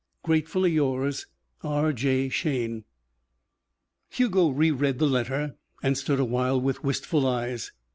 "Gratefully yours, "R. J. SHAYNE" Hugo reread the letter and stood awhile with wistful eyes.